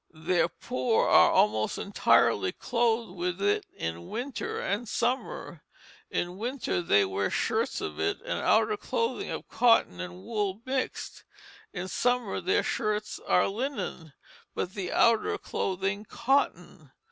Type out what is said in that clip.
Their poor are almost entirely clothed with it in winter and summer. In winter they wear shirts of it and outer clothing of cotton and wool mixed. In summer their shirts are linen, but the outer clothing cotton.